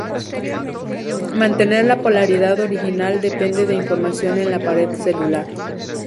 Mantener la polaridad original depende de información en la pared celular.